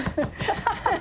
ハハハハ！